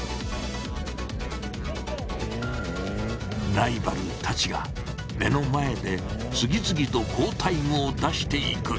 ライバルたちが目の前で次々と好タイムを出していく。